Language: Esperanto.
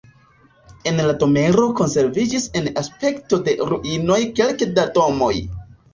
El la domaro konserviĝis en aspekto de ruinoj kelke da domoj.